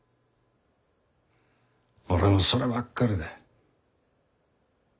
俺もそればっかりだ。